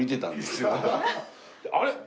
あれ？